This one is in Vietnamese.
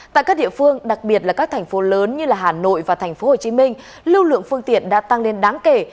tại các địa phương đặc biệt là các thành phố lớn như hà nội và tp hcm lưu lượng phương tiện đã tăng lên đáng kể